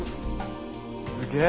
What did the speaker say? すげえ。